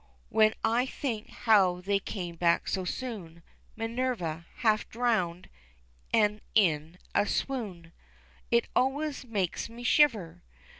When I think how they came back so soon, Minerva half drowned, an' in a swoon, It always makes me shiver.